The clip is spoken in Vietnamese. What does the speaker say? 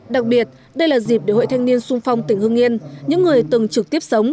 đặc biệt đây là dịp để hội thanh niên sung phong tỉnh hương yên những người từng trực tiếp sống